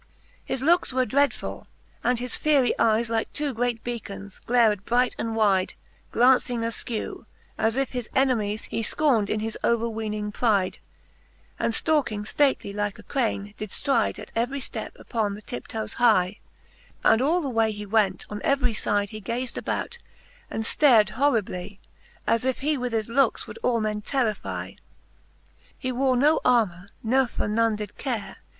His lookes were dreadfull, and his fiery eies, Like two great beacon^, glared bright and wyde, Glauncing afkew, as if his enemies He fcorned in his overweening pryde; And ftalking ftately Uke a crane, did ftryde At every ftep uppon the tiptoes hie, And aU the way he went, on every fyde He gaz'd about, and flared horribHe, As if he with his lookes would all men terrific. XLIII. He wore no armour, ne for none did care.